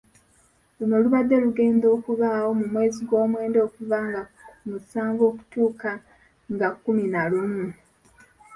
Luno lubadde lugenda okubaawo mu mwezi gwomwenda okuva nga musanvu okutuuka nga kkumi na lumu.